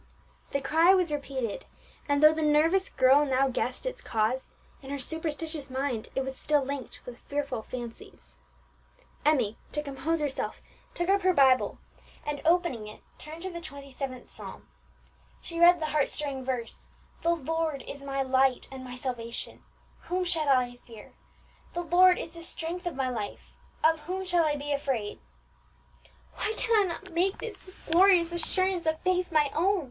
The cry was repeated, and though the nervous girl now guessed its cause, in her superstitious mind it was still linked with fearful fancies. Emmie, to compose herself, took up her Bible, and opening it, turned to the Twenty seventh Psalm. She read the heart stirring verse: _The Lord is my light and my salvation; whom shall I fear? the Lord is the strength of my life; of whom shall I be afraid?_ "Why cannot I make this glorious assurance of faith my own?"